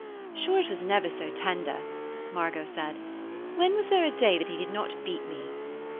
'Sure it was never so tender,' Margot said. 'When was there a day that he did not beat me?'